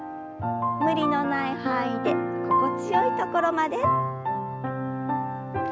無理のない範囲で心地よいところまで。